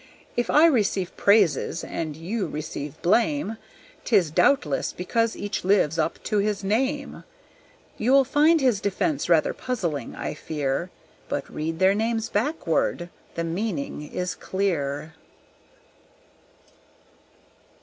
If I receive praises and you receive blame, 'Tis doubtless because each lives up to his name." You'll find his defence rather puzzling, I fear; But read their names backward the meaning is clear.